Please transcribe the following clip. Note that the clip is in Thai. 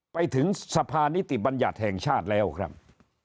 ไปถึงสภานิติบัญญัติแห่งชาติแล้วครับ